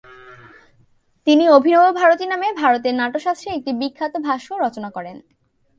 তিনি অভিনবভারতী নামে ভরতের নাট্যশাস্ত্রের একটি বিখ্যাত ভাষ্যও রচনা করেন।